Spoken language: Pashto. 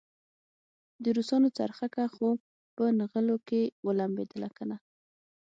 د روسانو څرخکه خو په نغلو کې ولمبېدله کنه.